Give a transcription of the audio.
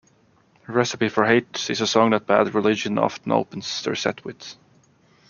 "Recipe for Hate" is a song that Bad Religion often opens their set with.